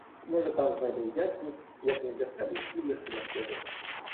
Може там знайду вдячність, як не для себе, то для сина свого.